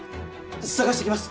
探してきます！